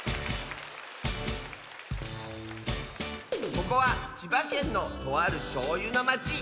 ここは千葉県のとあるしょうゆのまち。